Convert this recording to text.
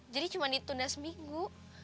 jadi cuma ditundas minggu